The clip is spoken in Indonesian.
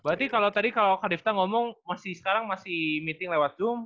berarti kalau tadi kalau kak defta ngomong sekarang masih meeting lewat zoom